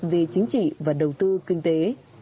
về chính trị và đầu tư kinh tế